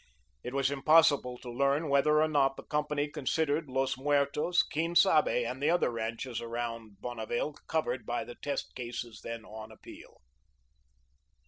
It was impossible to learn whether or not the company considered Los Muertos, Quien Sabe, and the ranches around Bonneville covered by the test cases then on appeal.